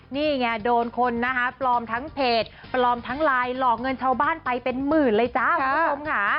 นี่ไงโดนคนนะคะปลอมทั้งเพจปลอมทั้งไลน์หลอกเงินชาวบ้านไปเป็นหมื่นเลยจ้าคุณผู้ชมค่ะ